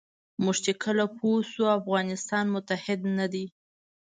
موږ چې کله پوه شو افغانستان متحد نه دی.